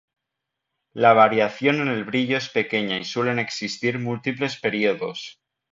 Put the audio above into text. La variación en el brillo es pequeña y suelen existir múltiples períodos.